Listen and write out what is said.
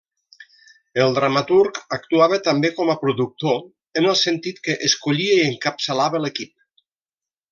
El dramaturg actuava també com a productor, en el sentit que escollia i encapçalava l'equip.